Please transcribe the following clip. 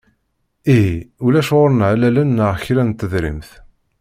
Ihi, ulac ɣur-neɣ allalen neɣ kra n tedrimt.